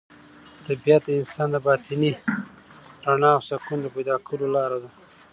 طبیعت د انسان د باطني رڼا او سکون د پیدا کولو لاره ده.